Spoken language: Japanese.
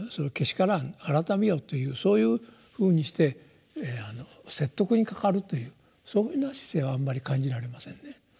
改めよ」というそういうふうにして説得にかかるというそいうふうな姿勢はあんまり感じられませんね。